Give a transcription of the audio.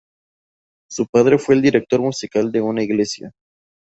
Su padre fue un director musical de una iglesia.